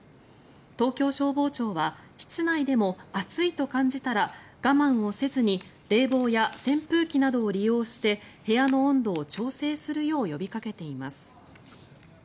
東京消防庁は室内でも暑いと感じたら我慢をせずに冷房や扇風機などを利用して部屋の温度を調整するよう呼びかけています。